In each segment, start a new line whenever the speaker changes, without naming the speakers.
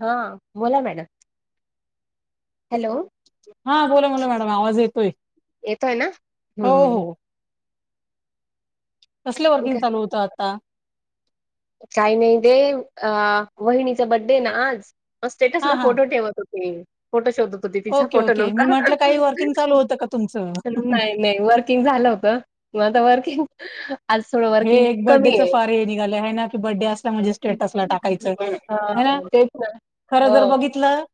हा बोला madam hello
हा बोला बोला मॅडम आवाज येतोय
येतोय ना
हो
हम्म
हो कसल वर्किंग चालू होतं आता
काय नाही ते अ वहिणीचा बड्डे आहे ना आज म
हा
स्टेटसला
हा
फोटो ठेवत होते फोटो शोधत होते तिचा
ओके
फोटो
ओके मी
नव्हता
म्हटलं काही वर्किंग चालू होतं का तुमचं
नाही नाही वर्किंग झालं होत म आता वर्किंग आज थोडं
हे
वर्किंग
एक
कमी
बड्डेचं
आहे
फार हे निघालं आहे ना की बड्डे असला म्हणजे स्टेटसला टाकायचं हे ना
हा तेच ना
खरं
हो
जर बघितलं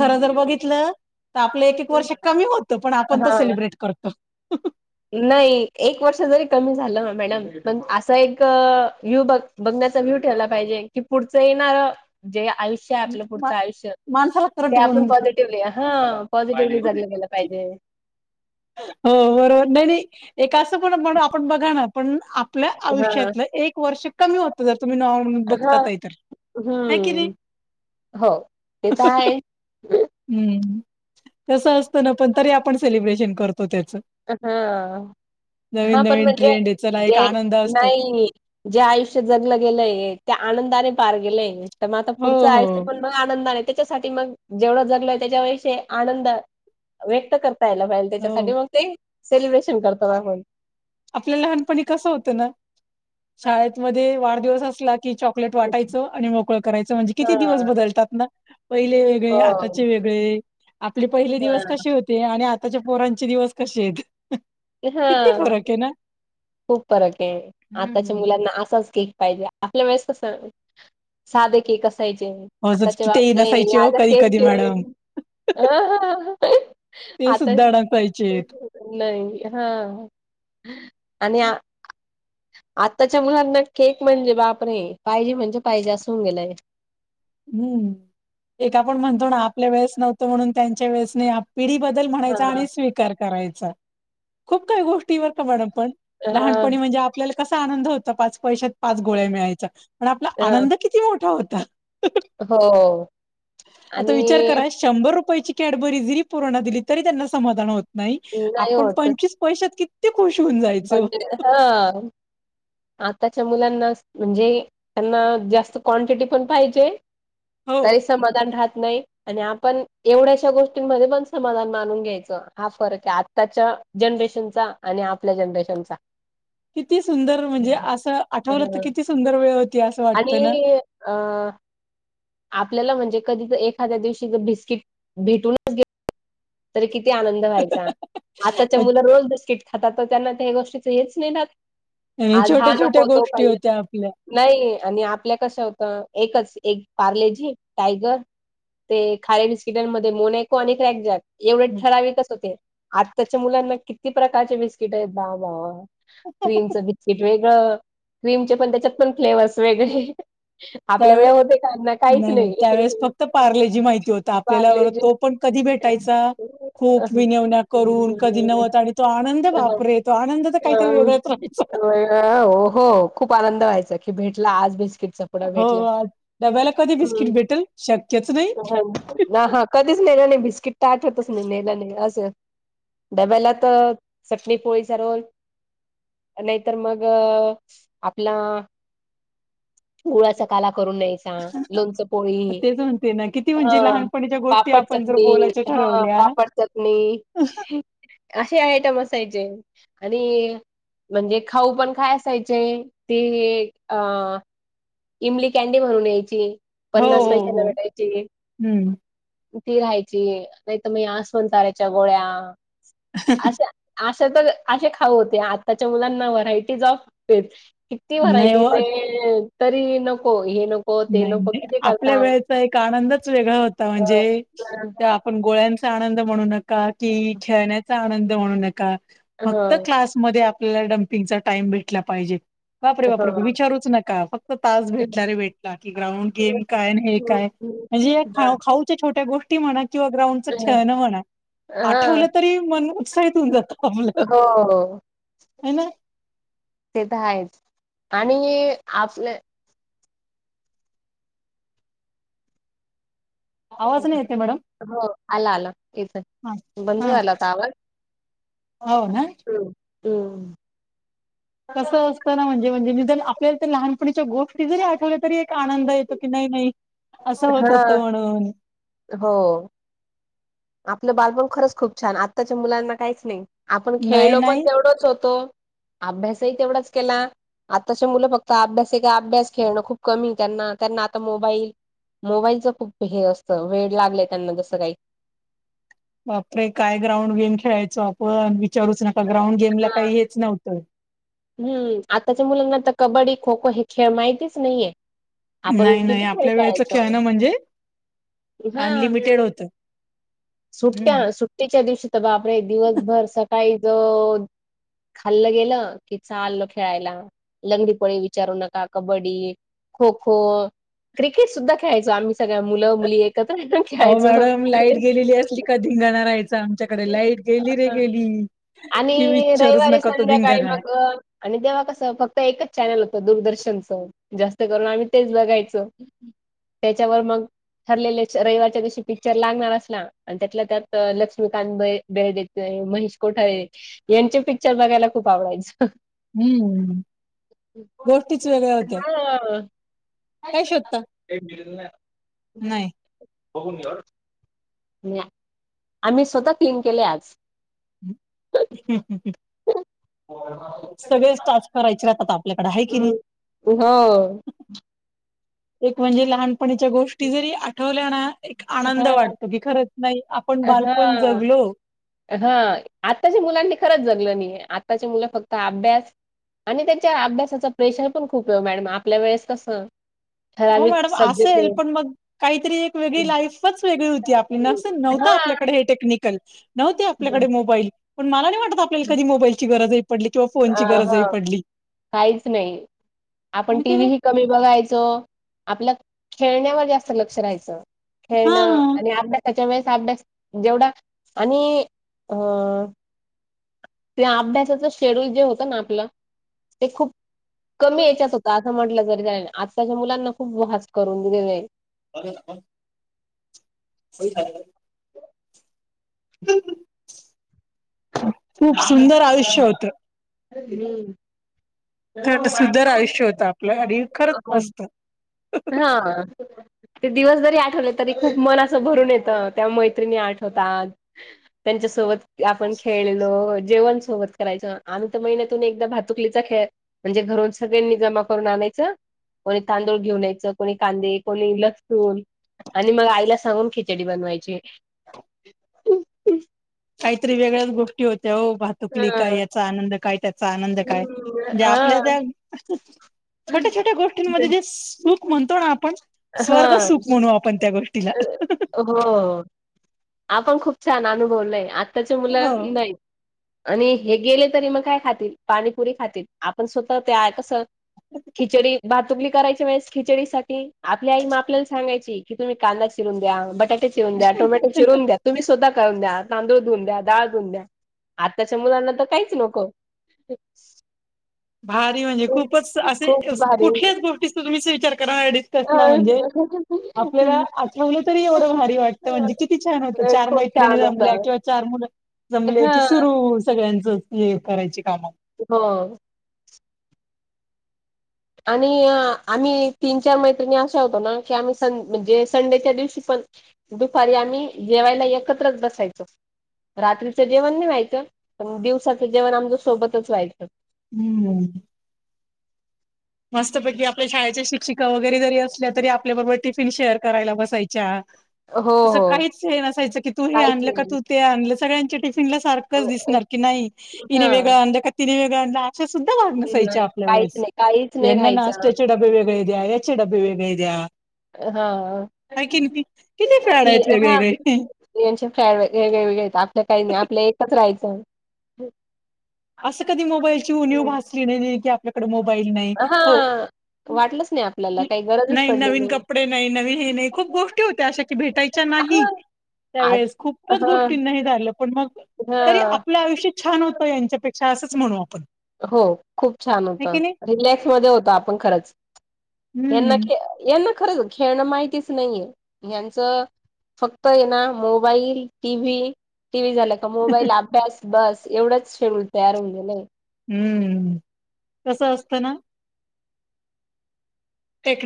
खरं जर बघितलं तर आपलं एक एक वर्ष कमी होतं पण आपण तो
हा
सेलिब्रेट करतो
नाही एक वर्ष जरी कमी झालं ना मॅडम पण असा एक यु बग बगण्याचा व्हिव ठेवला पाहिजे की पुढच येणार जे आयुष्य आहे आपलं
मा-
पुढचं आयुष्य
माणसाला
ते
करंट
आपण
घेऊन
पॉझिटिव्हली हा पॉझिटिव्हली जगलं गेलं पाहिजे
हो बरोबर नाही नाही एक असं पण म्हण आपण बघा ना पण आपल्या
हां.
आयुष्यातलं एक वर्ष कमी होत जर तुम्ही नॉ बघ होतंय तर
हू
हाय की नाही
हो ते तर हायच
हू तस असतं ना पण तरी आपण सेलिब्रेशन करतो त्याचं
हा हा पण
नवीन-नवीन
म्हणजे
ट्रेंड आहे, चला एक
जे
आनंद असतो.
नाही जे आयुष्य जगलं गेलंय ते आनंदाने पार गेलेय तर म आता
हो,
पुढचं आयुष्य
हो,
पण मग आनंदाणे त्याच्यासाठी मग जेवढं जगलय त्याच्या विषय आनंद व्यक्त करता यायला पाहिजेल
हो.
त्याच्यासाठी मग ते सेलिब्रेशन करत म आपून
आपल्या लहानपणी कसं होतं ना शाळेतमध्ये वाढदिवस असला कि चॉकलेट वाटायचं आणि मोकळं करायचं म्हणजे किती दिवस
हां.
बदलतात ना पहिले
हो.
वेगळे आताचे वेगळे आपले पहिले
हां.
दिवस कशे होते आणि आताच्या पोरांचे दिवस कसे आहेत किती
हा
फरक आहे ना?
खूप फरक आहे आताच्या
हं.
मुलात ना असाच केक पाहिजे आपल्या वळेस कस साधे केक असायचे
अजून
आत्ताचे
तेही
वागणे
नसायचे हो
माझं सेम
कधी-कधी मॅडम.
सेम हा ह
ते
आता
सुद्धा नसायचेत.
नाही हा आणि आ आत्ताच्या मुलांना केक म्हणजे बापरे पाहिजे म्हणजे पाहिजे असं होऊन गेलंय
हू एक आपण म्हणतो ना आपल्या वेळेस नव्हतं म्हणून त्यांच्या वेळेस नाही पिढी बदल म्हणायचा
हां.
आणि स्वीकार करायचा खूप काही गोष्टीवर का मॅडम पण
हां.
लहानपणी म्हणजे आपल्याला कसा आनंद होता पाच पैशात पाच गोळ्या मिळायचा पण आपला
हां.
आनंद किती मोठा होता
हो.
आता
आणि
विचार करा शंभर रुपयची कॅडबरी जरी पोरांना दिली तरी त्यांना समाधान होत नाही आपण पंचवीस पैशात किती खुश होऊन जायचो.
हा आताच्या मुलांना म्हणजे त्यांना जास्त क्वांटिटी पण पाहिजे.
हो
तरी समाधान राहत नाही आणि आपण एवढ्याशा गोष्टींमध्ये पण समाधान मानून घ्यायचो हा फरक आत्ताच्या जनरेशनचा आणि आपल्या जनरेशनचा
किती सुंदर म्हणजे असं आठवलं तर किती सुंदर वेळ असं
आणि
वाटतं ना.
अ आपल्याला म्हणजे कधी जर एखाद्या दिवशी बिस्किट भेटूनच गेल तरी किती आनंद व्हायचा आताचे मुल रोज बिस्किट खातात तर त्यांना त्या गोष्टीच हेच नाही राहत.
हम्म
आज हा
छोट्या छोट्या
नको तो
गोष्टी
पाहिजे
होत्या आपल्या
नाही आणि आपल्या कसं होतं एकच एक पार्ले जी टायगर ते खारे बिस्किटांमध्ये मोनॅको आणि क्रॅकजॅक एवढे ठराविकच होते आत्ताच्या मुलांना किती प्रकारचे बिस्किट आहेत वा वा वा
हं.
क्रीमच बिस्किट वेगळं क्रीमचे पण त्याच्यात पण फ्लेवर्स वेगळे आपल्या
तर
वेळे होते का ना काहीच
त्या
नाही.
त्यावेळेस फक्त पार्ले जी माहिती होत आप आपल्याला
पार्लेजी
तो पण कधी भेटायचा खूप विनविन्या करून कधी नव्हत आणि तो आनंद बापरे तो आनंद तर काहीतर वेगळाच राहायचा.
हो हो खूप आनंद व्हायचा की भेटला आज बिस्किटचा पुडा
हो
भेटला
आज डब्याला कधी बिस्किट भेटेल शक्यच नाही
ह कधीच नेला नाही बिस्किट तर आठवतच नाही नेलं नाही असं डब्याला तर चटणी पोळीचा रोल नाहीतर मग आपला गुळाचा काला करून न्यायचा लोणच पोळी
तेच म्हणते ना किती
हा
म्हणजे लहानपणीच्या गोष्टी
पापड
आपण जर
चटणी
बोलायच्या
हा
ठरवल्या
पापड चटणी
हो
असे आयटम असायचे. आणि म्हणजे खाऊ पण काय असायचे ते अ इमली कॅन्डी म्हणून यायची पन्नास
हो
पैशाला
हो
भेटायची.
हम्म
ती राहायची नाहीतर म आसमन ताराच्या गोळ्या असे तर असे खाऊ होते आताच्या मुलांना व्हरायटीज ऑफ किती
नाही हो
व्हरायटीज ये तरी नको हे नको ते
नाही
नको
नाही
किती
आपल्या
करतात.
वेळेचा एक आनंदच वेगळा होता
अ
म्हणजे
हां,
त्या आपण गोळ्यांच चा आनंद म्हणू नका की खेळण्याचा आनंद म्हणू नका फक्त
हां.
क्लास मध्ये आपल्याला डम्पिंगचा टाइम भेटला पाहिजे. बापरे बापरे विचारूच नका फक्त तास भेटला रे भेटला की ग्राउंड गेम काय अन् हे काय म्हणजे या खाऊच्या छोट्या गोष्टी म्हणा किंवा ग्राउंडच खेळण म्हणा. आठवलं
हां,
तरी मन उत्साहित होऊन जात आपलं
हो.
ह ना
ते तर आहेच आणि आपल्या
आवाज नाही येत आहे मॅडम?
हो आला आला
हां,
येतोय बंद
हां.
झालं का आवाज?
हो ना?
हम्म हम्म
कसं असतं ना म्हणजे म्हणजे निदान आपल्याला लहानपणीच्या गोष्टी जरी आठवल्या तरी एक आनंद येतो की नाही नाही असं
हा
होत होतं म्हणून
हो आपलं बालपण खरंच खूप छान आत्ताच्या मुलांना काहीच नाही आपण
नाही
खेळलो पण
नाही
तेवढंच होतो. अभ्यासही तेवढाच केला. आताच्या मुलं फक्त अभ्यास आहे एके अभ्यास खेळणं खूप कमी त्यांना त्यांना आता मोबाईल, मोबाईलचं खूप हे असत वेड लागलं त्यांना जसं काही
बापरे काय ग्राउंड गेम खेळायचो आपण विचारूच नका ग्राउंड गेम ला काही हेच नव्हतं.
हम्म आताच्या मुलांना तर कबड्डी खो खो हे खेळ माहितीच नाहीये. आपण
नाही नाही
किती खेळ
आपल्या वेळेच खेळणं
खेळायचो
म्हणजे
हा
अनलिमिटेड होतं. हम्म
सुट्ट्या सु तीच्या दिवशी तर बाप रे दिवसभर सकाळी ज खाल्लं गेलं कि चालल खेळायला लंगडीपोळी विचारू नका कबड्डी खो खो, क्रिकेट सुद्ध खेळायचो आम्ही सगळ्या मुलं मुली एकत्र
अहो
खेळायचो.
मॅडम लाईट गेलेली असली का धिंगाणा राहायच आमच्या कडे लाईट गेली रे गेली की
आणि
विचारूच
रविवारी
नका तो
संध्याकाळी
धिंगाणा
मग अ, आणि तेव्हा कसं फक्त एकच चॅनल होतं दूरदर्शनचं. जास्त करून आम्ही तेच बघायचो त्याच्यावर मग ठरलेले रविवारच्या दिवशी पिक्चर लागणार असला आणि त्यातला त्यात ल रक्ष्मीकांत बेळ देत महेश कोठार यांचे पिक्चर बघायला खूप आवडायचं.
हम्म गोष्टीच वेगळ्या होत्या
हा
काय शोधता नाही
होघून घर [unintelligible] [inaudible] नाही आम्ही स्वतः क्लीन केले आज.
सगळे स्टार्च करायचे राहतात. आपल्याकडे आहे की नाही.
हं. हो
एक म्हणजे लहानपणीच्या गोष्टी जरी आठवल्या ना, एक
हा
आनंद वाटतो की खरंच नाही आपण
हा
बालपण जगलो.
हा आत्ताच्या मुलांनी खरंच जगलं नाही आत्ताचे मुलं फक्त अभ्यास, आणि त्याच्या अभ्यासाच प्रेशर पण खूप ये मॅडम आपल्या वेळेस कसं
हो
ठराविक
मॅडम
सब्जेक्ट
असेल पण मग काहीतरी एक वेगळी लाईफ च वेगळी होती आपली न नव्हत
हा.
आपल्याकडे हे टेक्निकल नव्हते आपल्याकडे मोबाईल पण मला नाही वाटत आपल्याला कधी मोबाईलची गरजही पडली किंवा
अ
फोनची
हा
गरजही पडली.
काहीच नाही आपण
हाय
टी
की
व्ही
नाही?
कमी बघायचो आपल्या खेळण्यावर जास्त लक्ष राहायचं. खेळणं
हा
आणि अभ्यासाच्या वेळेस अभ्यास जेवढा आणि अ त्या अभ्यासाच शेड्यूल जे होत ना आपलं ते खूप कमी याच्याच होता असं म्हंटलं तरी त्या आजताच्या मुलांना खूप वाास करून दिले जाई,
ह [unintelligible] [inaudible] हो [unintelligible] [inaudible] खूप सुंदर आयुष्य होत.
हम्म.
सुंदर आयुष्य होतं आपलं आणि खरंच मस्त.
हा ते दिवस जरी आठवले तरी खूप मन असं भरून येतं. त्या मैत्रिणी आठवतात त्यांच्यासोबत आपण खेळलो जेवणसोबत करायचं आम्ही महिन्यातून एकदा भातुकलीचा खेळ म्हणजे घरून सगळ्यांनी जमा करून आणायचं कोणी तांदूळ घेऊन यय कोणी कांदे कोणी लसण आणि मग आईला सांगून खिचडी बनवायची. ह [inaudible] [unintelligible]
काहीतरी वेगळ्याच गोष्टी होत्या हो भातुकली काय
हा
याचा आनंद काय त्यात चाय म्हणजे काय जे आपल्या
हा
त्या छोट्या छोट्या गोष्टींमध्ये जे सुख म्हणतो ना आपण
हा
स्वर्ग सुख म्हणू आपण त्या गोष्टीला
हो आपण खूप छान अनुभवलं आत्ताच्या
हो
मुलं नाही आणि हे गेले तरी मग काय खातील पाणीपुरी खातील आपण स्वतः ते आहे कसं खिचडी भातुकली करायची वेळेस खिचडी साठी आपली आई मा आपल्याला सांगायची कि तुम्ही कांदा चिरून द्या बटाट ते चिरून्या दया टोमट चिरून द्या तुम्ही स्वतः करून द्या तांदूळ धुून द्या डाळ धुून द्या आत्ताच्या मुलांना तर काहीच नको ह [inaudible]
भारी म्हणजे खूपच असे
भारी
कुठल्याच गोष्टीचा तुम्हीच विचार करा अडी कसला म्हणजे आपल्याला आठवलं तरी एवढं भारी वाटत म्हणजे किती छान होत चार
खूप
माहि ने
छान होत
जमल्या किंवा चार मुलं जमले
हा
की सुरू सगळ्यांच करायचीच क्लियर काम
हो आणि आम्ही तीन चार मैत्रिणी असा होतो ना की आम्ही स म्हणजे संडेच्या दिवशी पण दुपारी आम्ही जेवायला एकत्रच बसायचो रात्रीचं जेवण नाही व्हायचं पण दिवसाचं जेवण आमच्या सोबतच व्हायचं
हम्म मस्तपैकी आपल्या शाळेच्या शिक्षिका वगैरे जरी असल्या तरी आपल्याबरोबर टिफिन शेअर करायला बसायच्या
हो
असं
हो
काहीच हे नसायचं की तू हे
काहीच
आणलं का
नाही
तू ते आणलं सगळ्यांच्या टिफिनला सारखंच दिसणार की नाही इनने
हा
वेगळळा आणलं का तिने वेगळ आणलं अशा सुद्धा वागण्यासायच्या आपल्या
काहीच
वळेस
नाही काहीच नाही
येना
राहायचं
नाषटयाचे डबे वेगळे द्याया याचे डबे वेगळे द्या
हा हा
हाय की नाही किती फॅड आहेत वेगवेगळे.
[unintelligible] यांचे फ्राय वेगळे वेगळे येत आपल्या काही नाही आपल्या एकच राहायचं
असं कधी मोबाईलची उणीव भासली नाही नाही की आपल्याकडे मोबाईल नाही
हा
हो
वाटलंच आपल्याला काही गरजच पडली नाही
ते नाही नवीन हे नाही खूप गोष्टी होत्या अशा की भेटायच्या नाही
हा आज
त्यावेळेस खूपच
हा
गोष्टींना हे झालं पण मग
हा
तरी आपलं आयुष्य छान होत त यांच्यापेक्षा असंच म्हणू आपण
हो खूप छान होत
हे की नाही
रिलॅक्स मध्ये होत. आपण खरंच यांना
हम्म
यांना खरंच खेळणं माहितीच नाहीये यांचं फक्त ये ना mobile, T V, T V झाला. मोबाईल अभ्यास बस एवढंच शेड्यूल तयार होऊ गेल्या
हम्म कसं असतं ना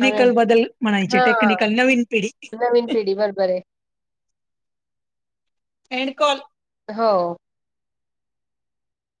आणि
बदल म्हणायचे
हा
टेक्निकल नवीन पिढी
नवीन पिढी बरोबर आहे.
एंड
बँक
कॉल
ऑफ हो